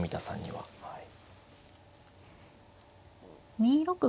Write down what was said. はい。